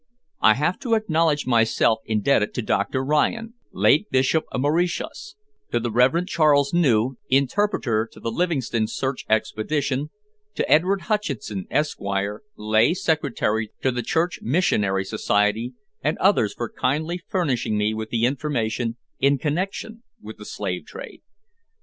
I have to acknowledge myself indebted to Dr Ryan, late Bishop of Mauritius; to the Rev. Charles New, interpreter to the Livingstone Search Expedition; to Edward Hutchinson, Esquire, Lay Secretary to the Church Missionary Society, and others, for kindly furnishing me with information in connexion with the slave trade.